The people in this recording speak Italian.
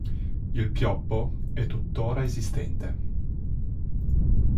Il pioppo è tuttora esistente.